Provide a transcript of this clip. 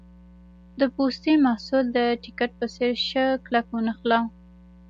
د پوستي محصول د ټیکټ په څېر شه کلک ونښله.